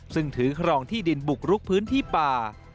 ซึ่งถือครองที่ดินบุกรุกพื้นที่ป่า